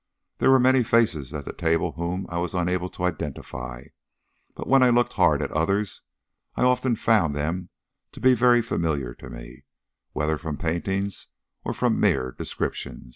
There were many faces at the table whom I was unable to identify; but when I looked hard at others I often found them to be very familiar to me, whether from paintings or from mere description.